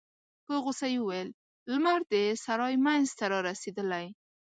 په غوسه يې وویل: لمر د سرای مينځ ته رارسيدلی.